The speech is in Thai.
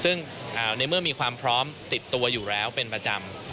ซึ่งในเมื่อมีความพร้อมติดตัวอยู่แล้วเป็นประจำ